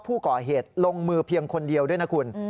ผู้ก่อเหตุลงมือเพียงคนเดียวด้วยนะคุณ